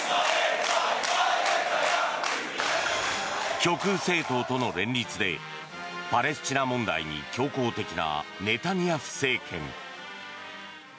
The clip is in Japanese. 極右政党との連立でパレスチナ問題に強硬的なネタニヤフ政権。